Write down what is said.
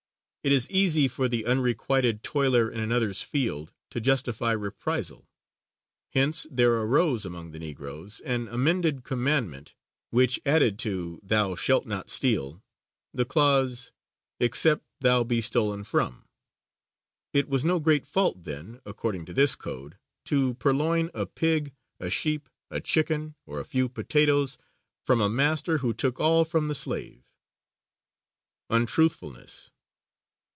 It is easy for the unrequited toiler in another's field to justify reprisal; hence there arose among the Negroes an amended Commandment which added to "Thou shalt not steal" the clause, "except thou be stolen from." It was no great fault, then, according to this code, to purloin a pig, a sheep, a chicken, or a few potatoes from a master who took all from the slave. _Untruthfulness.